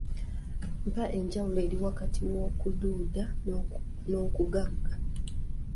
Mpa enjawulo eri wakati w’okududa n’okugaga?